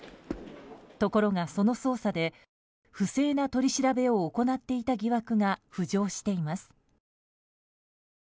ところが、その捜査で不正な取り調べを行っていた疑惑が浮上しています。